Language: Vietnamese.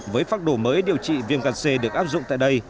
với pháp đồ mới điều trị viêm gan c được áp dụng tại đây